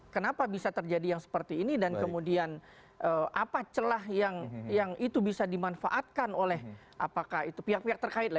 kenapa bisa terjadi yang seperti ini dan kemudian apa celah yang itu bisa dimanfaatkan oleh apakah itu pihak pihak terkait